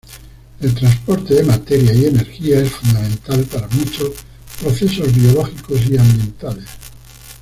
El transporte de materia y energía es fundamental para muchos procesos biológicos y ambientales.